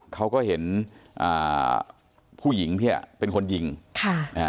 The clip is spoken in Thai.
เขาก็เห็นอ่าผู้หญิงเนี่ยเป็นคนยิงค่ะอ่า